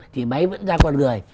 thì máy vẫn ra con người